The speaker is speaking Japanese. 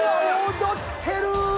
踊ってる！